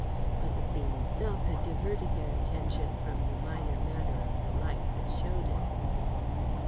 But the scene itself had diverted their attention from the minor matter of the light that showed it.